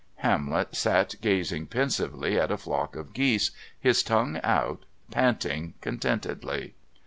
Hamlet sat gazing pensively at a flock of geese, his tongue out, panting contentedly.